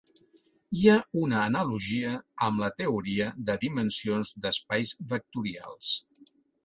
Hi ha una analogia amb la teoria de dimensions d'espais vectorials.